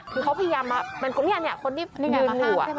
คือเขาพยายามมานี่อันนี้คนที่ยืนหัว